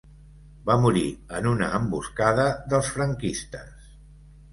Va morir en una emboscada dels franquistes.